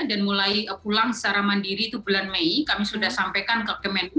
dan mulai pulang secara mandiri itu bulan mei kami sudah sampaikan ke kemenu